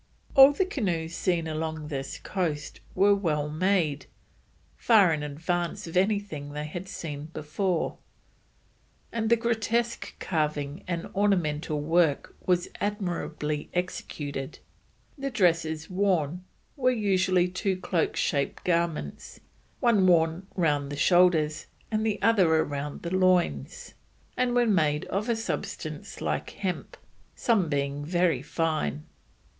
All the canoes seen along this coast were well made, far in advance of anything they had seen before, and the grotesque carving and ornamental work was admirably executed. The dresses warn were usually two cloak shaped garments, one warn round the shoulders, the other round the loins, and were made of a substance like hemp, some being very fine.